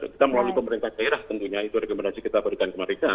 kita melalui pemerintah daerah tentunya itu rekomendasi kita berikan ke mereka